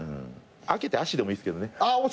開けて足でもいいですけどね。